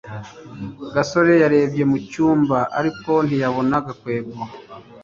gasore yarebye mu cyumba, ariko ntiyabona gakwego